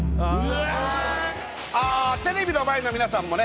テレビの前の皆さんもね